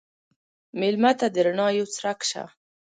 مېلمه ته د رڼا یو څرک شه.